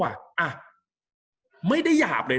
กับการสตรีมเมอร์หรือการทำอะไรอย่างเงี้ย